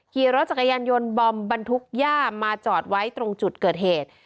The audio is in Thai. ขี่รถจักรยานยนต์บอมบรรทุกย่ามาจอดไว้ตรงจุดเกิดเหตุ